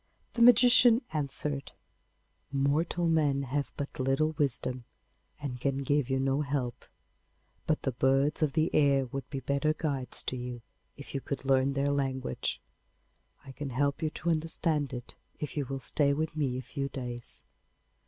The magician answered: 'Mortal men have but little wisdom, and can give you no help, but the birds of the air would be better guides to you if you could learn their language. I can help you to understand it if you will stay with me a few days.